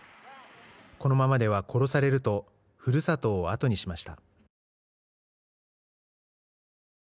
このままでは殺されるとふるさとをあとにしました。